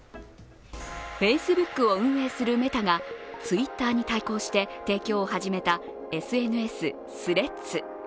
Ｆａｃｅｂｏｏｋを運営するメタがＴｗｉｔｔｅｒに対抗して提供を始めたＳＮＳ・Ｔｈｒｅａｄｓ。